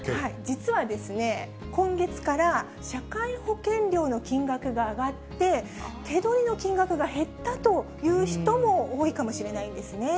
実は、今月から社会保険料の金額が上がって、手取りの金額が減ったという人も多いかもしれないんですね。